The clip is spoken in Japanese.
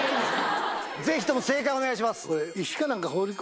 ぜひとも正解お願いします。